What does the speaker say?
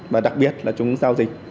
và đặc biệt là chúng giao dịch